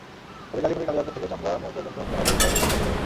তবে গাজীপুরের কালিয়াকৈর থেকে চন্দ্রা মোড় পর্যন্ত বেলা দুইটায়ও যানজট ছিল।